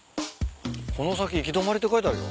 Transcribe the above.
「この先いきどまり」って書いてあるよ。